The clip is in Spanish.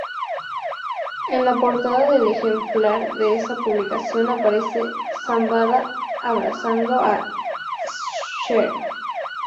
En la portada del ejemplar de esa publicación aparece Zambada abrazando a Scherer.